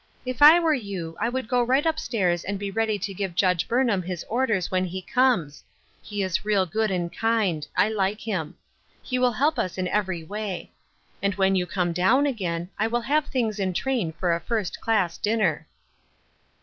If I were you I would go right up stairs and be ready to give Judge Burnham his orders when he comes. He is real good and kind. I like him. He will help us in every way. And when you come down again I will have things in train for a first class dinner."